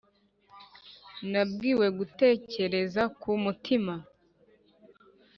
nabwiwe gutekereza ku mutima,